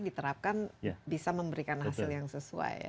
diterapkan bisa memberikan hasil yang sesuai ya